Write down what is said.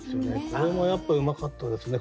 これもやっぱうまかったですね。